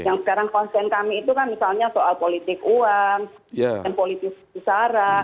yang sekarang konsen kami itu kan misalnya soal politik uang dan politisi sara